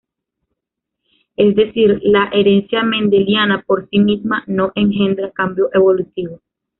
Es decir, la herencia mendeliana, por sí misma, no engendra cambio evolutivo.